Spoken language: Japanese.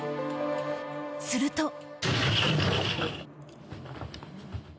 すると。